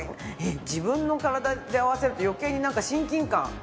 自分の体で合わせると余計になんか親近感！